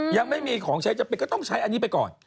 ยังไม่มีของใช้จำเป็นก็ต้องใช้อันนี้ไปก่อน